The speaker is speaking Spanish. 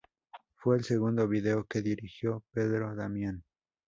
Fue el segundo video que dirigió Pedro Damián.